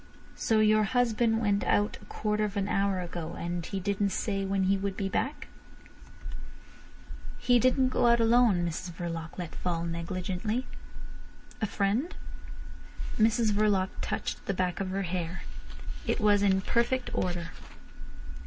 "So your husband went out a quarter of an hour ago! And he didn't say when he would be back?" "He didn't go out alone," Mrs Verloc let fall negligently. "A friend?" Mrs Verloc touched the back of her hair. It was in perfect order.